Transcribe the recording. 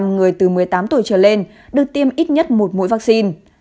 một trăm linh người từ một mươi tám tuổi trở lên được tiêm ít nhất một mũi vắc xin